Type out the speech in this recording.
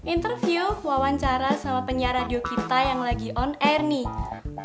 interview wawancara sama penyiar radio kita yang lagi on air nih